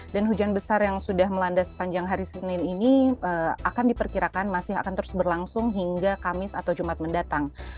dan hujan besar yang sudah melanda sepanjang hari senin ini akan diperkirakan masih akan terus berlangsung hingga kamis atau jumat mendatang